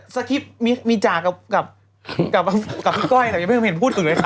สกิปมีจากับพี่ก้อยแต่ยังไม่เคยพูดถึงเลยค่ะ